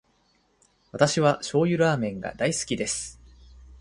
私は醤油ラーメンが大好きです。